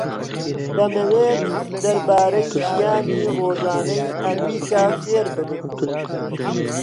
دەمەوێت دەربارەی ژیانی ڕۆژانەی ئەمریکا فێر ببم.